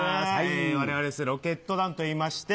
我々ロケット団といいまして。